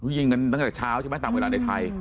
ยิงกันตั้งแต่เช้าใช่ไหมตามเวลาในไทย